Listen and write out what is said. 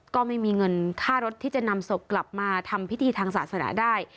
ก็ไม่มีเงินค่ารถที่จะนำศพกลับมาทำพิธีทางศาสนาได้